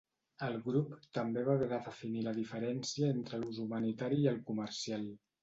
El grup també va haver de definir la diferència entre l'ús humanitari i el comercial.